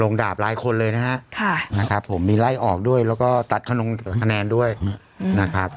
ลงดาบหลายคนเลยนะฮะค่ะนะครับผมมีไล่ออกด้วยแล้วก็ตัดขนมแขนด้วยนะครับ